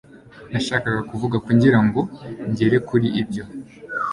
Nashakaga kuvuga kugirango ngere kuri ibyo